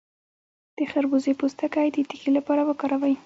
د خربوزې پوستکی د تیږې لپاره وکاروئ